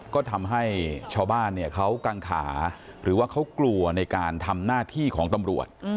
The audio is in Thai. ก็ทำให้ชาวบ้านเนี่ยเขากังขาหรือว่าเขากลัวในการทำหน้าที่ของตำรวจ